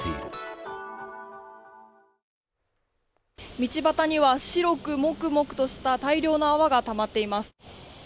道ばたには白くモクモクとした大量の泡がたまっています。